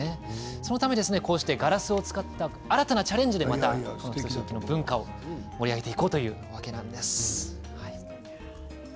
そのため、こうしたガラスを使った新たなチャレンジでまた木曽漆器の文化を盛り上げていこうというわけなんです。